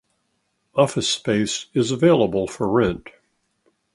Office space is available for rent.